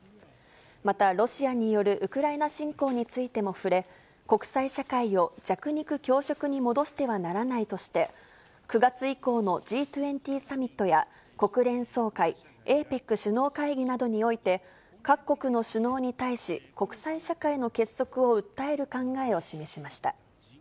また、ロシアによるウクライナ侵攻についても触れ、国際社会を弱肉強食に戻してはならないとして、９月以降のＧ２０サミットや国連総会、ＡＰＥＣ首脳会議などにおいて、各国の首脳に対し、国際社会の結束を訴える考えを示しました。